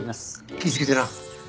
気ぃつけてな。